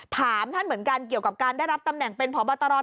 ถามท่านเหมือนกันเกี่ยวกับการได้รับตำแหน่งเป็นพบตร